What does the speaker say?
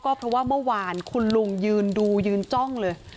ก็เพราะว่าเมื่อวานคุณลุงยืนดูยืนจ้องเลย